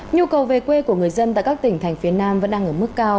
nhu cầu về quê của người dân tại các tỉnh thành phía nam vẫn đang ở mức cao